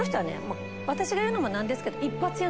私が言うのも何ですけど。